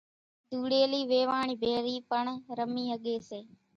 ڌوڙيلي ويواڻ ڀيري پڻ رمي ۿڳي سي۔